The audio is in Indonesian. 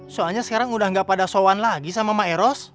soalnya sekarang sudah tidak pada soan lagi sama maeros